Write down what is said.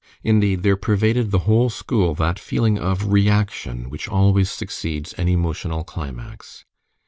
Indeed, there pervaded the whole school that feeling of reaction which always succeeds an emotional climax.